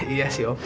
iya sih om